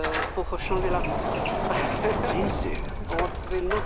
人生を。